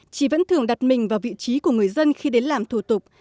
chị vẫn thường đặt mình vào vị trí của người dân khi đến làm thủ tục